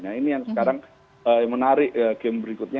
nah ini yang sekarang menarik game berikutnya